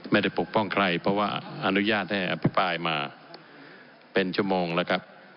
ปกป้องใครเพราะว่าอนุญาตให้อภิปรายมาเป็นชั่วโมงแล้วครับ